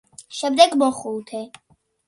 შემდეგ, მეხუთე.